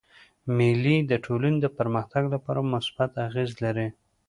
مېلې د ټولني د پرمختګ له پاره مثبت اغېز لري.